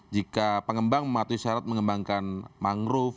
jika pengembang mematuhi syarat mengembangkan mangrove